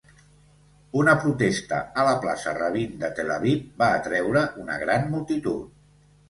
Una protesta a la plaça Rabin de Tel Aviv va atreure una gran multitud.